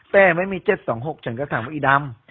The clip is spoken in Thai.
แต่ไม่มี๗๒๖ฉันก็ถามว่าอีดำ